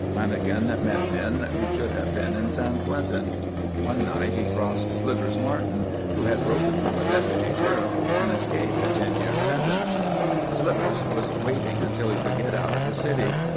Lanagan met men who should have been in San Quentin; one night he crossed "Slivers" Martin, who had broken from a deputy sheriff and escaped a ten year sentence. Slivers was waiting until he could get out of the city.